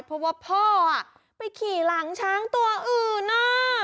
เพราะว่าพ่อไปขี่หลังช้างตัวอื่น